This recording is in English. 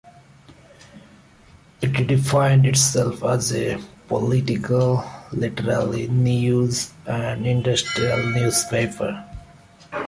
It defined itself as a "political, literary, news and industrial newspaper".